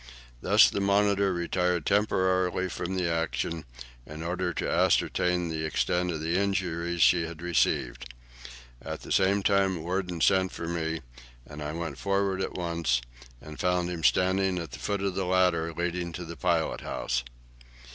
Thus the 'Monitor' retired temporarily from the action, in order to ascertain the extent of the injuries she had received. At the same time Worden sent for me, and I went forward at once, and found him standing at the foot of the ladder leading to the pilot house.